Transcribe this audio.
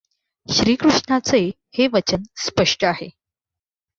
श्रीकृष्णाचे हे वचन स्पष्ट आहे.